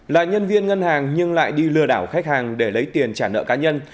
là nhân viên ngân hàng nhưng lại đi lừa đảo khách hàng để lấy tiền trả nợ cá nhân